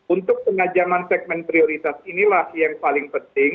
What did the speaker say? untuk penajaman segmen prioritas inilah yang paling penting